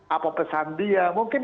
apa pesan dia mungkin